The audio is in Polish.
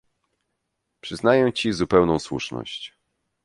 "Przyznaję ci zupełną słuszność."